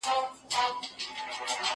زه زدکړه نه کوم؟